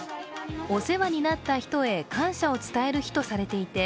お世話になった人へ、感謝を伝える日とされていて